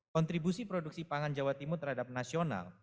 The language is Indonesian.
kontribusi produksi pangan jawa timur terhadap nasional